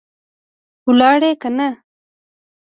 لاړې که نه؟